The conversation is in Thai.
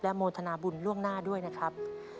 โมทนาบุญล่วงหน้าด้วยนะครับ